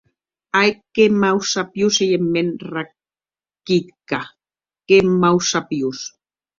Ai, qué mausapiós ei eth mèn Rakitka, qué mausapiós!